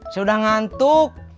saya udah ngantuk